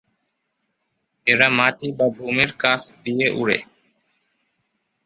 এরা মাটি বা ভূমির কাছ দিয়ে উড়ে।